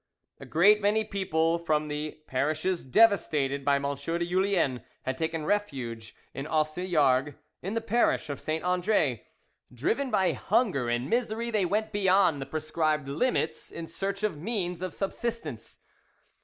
A great many people from the parishes devastated by M. de Julien had taken refuge in Aussilargues, in the parish of St. Andre. Driven by hunger and misery, they went beyond the prescribed limits in search of means of subsistence.